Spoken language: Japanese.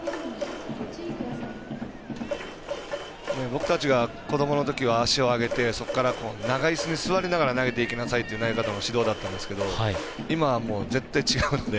僕たちが子どものころは足を上げてそこから、長いすに座りながら投げていきなさいという指導だったんですけど今は絶対違うので。